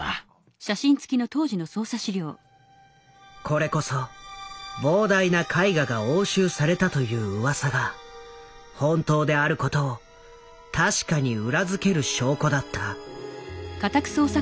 これこそ膨大な絵画が押収されたといううわさが本当であることを確かに裏付ける証拠だった。